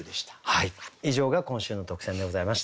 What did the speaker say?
はい以上が今週の特選でございました。